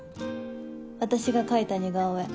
私が描いた似顔絵